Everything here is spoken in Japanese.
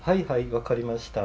わかりました。